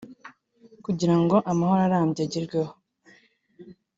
Kugira ngo amahoro arambye agerweho